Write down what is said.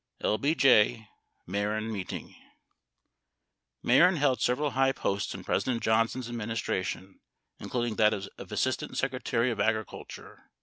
L. B. J. MEHREN MEETING Mehren held several high posts in President Johnson's administra tion, including that of Assistant Secretary of Agriculture.